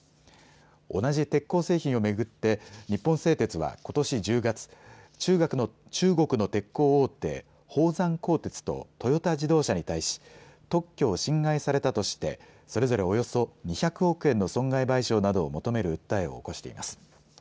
同じ鉄鋼製品を巡って日本製鉄はことし１０月、中国の鉄鋼大手、宝山鋼鉄とトヨタ自動車に対し特許を侵害されたとしてそれぞれおよそ２００億円の損害賠償などを求める訴えを起こしています。